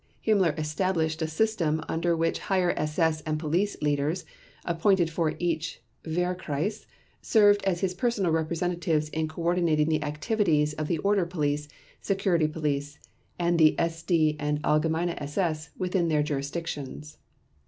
Himmler established a system under which Higher SS and Police Leaders, appointed for each Wehrkreis, served as his personal representatives in coordinating the activities of the Order Police, Security Police and SD and Allgemeine SS within their jurisdictions.